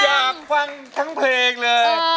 อยากฟังทั้งเพลงเลย